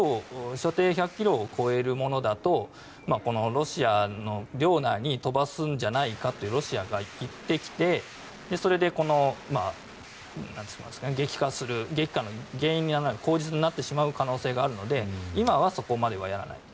射程１００ｋｍを超えるものだとロシアの領内に飛ばすんじゃないかとロシアが言ってきてそれで激化する激化の原因、口実になる可能性があるので今はそこまではやらない。